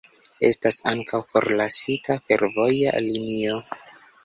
Estas ankaŭ forlasita fervoja linio.